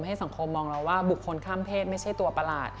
ให้สังคมมองเราว่าบุคคลข้ามเพศไม่ใช่ตัวประหลาด